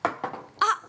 あっ。